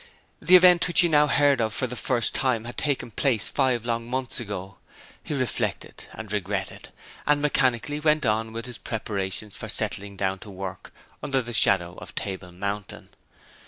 The event which he now heard of for the first time had taken place five long months ago. He reflected, and regretted and mechanically went on with his preparations for settling down to work under the shadow of Table Mountain.